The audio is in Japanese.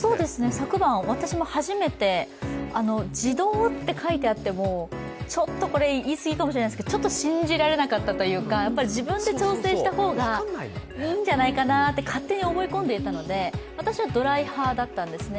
昨晩、私も初めて自動って書いてあっても、これは言い過ぎかもしれないですけど、ちょっと信じられなかったというか自分で調整した方がいいんじゃないかなと勝手に思い込んでいたので、私はドライ派だったんですね。